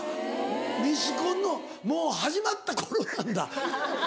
ミスコンのもう始まった頃なんだ。